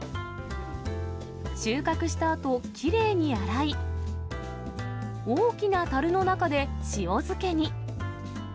収穫したあと、きれいに洗い、大きなたるの中で塩漬けに。